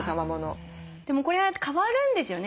でもこれは変わるんですよね？